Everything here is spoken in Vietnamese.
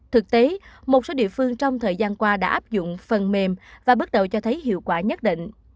thực tế một số địa phương trong thời gian qua đã áp dụng phần mềm và bước đầu cho thấy hiệu quả nhất định